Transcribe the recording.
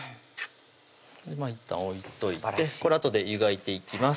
いったん置いといてこれあとで湯がいていきます